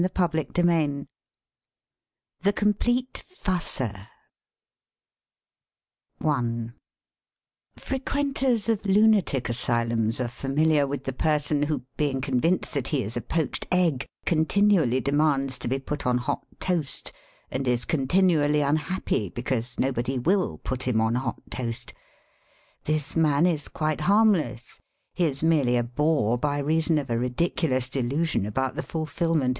THE COMPLETE FUSSER THE COMPLETE FUSSER FEEauENTEES of lunatlc asylums are familiar with the person who, being convinced that he is a poached egg, continually demands to be put on hot toast, and is continually unhappy because no body will put him on hot toast. This man is quite harmless ; he is merely a bore by reason of a ridicu lous delusion about the fulfilment